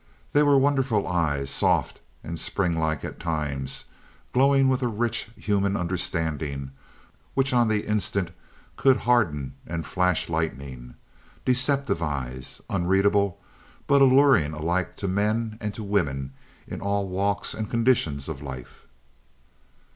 They were wonderful eyes, soft and spring like at times, glowing with a rich, human understanding which on the instant could harden and flash lightning. Deceptive eyes, unreadable, but alluring alike to men and to women in all walks and conditions of life.